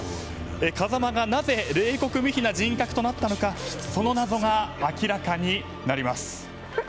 風間がなぜ冷酷無比な人格となったのかその謎が明らかになります。